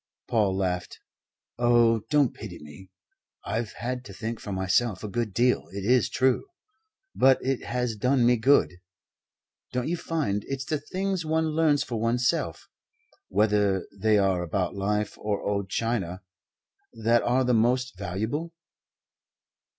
Paul laughed. "Oh, don't pity me. I've had to think for myself a good deal, it is true. But it has done me good. Don't you find it's the things one learns for oneself whether they are about life or old china that are the most valuable?"